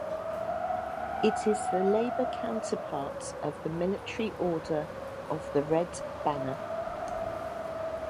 It is the labour counterpart of the military Order of the Red Banner.